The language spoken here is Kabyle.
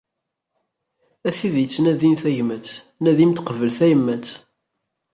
A tid yettnadin tagmat nadimt qebbel tayemmat!